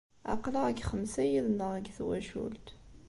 Aql-aɣ deg xemsa yid-neɣ deg twacult.